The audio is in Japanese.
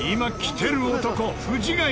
テる男藤ヶ谷